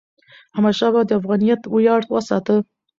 احمدشاه بابا د افغانیت ویاړ وساته.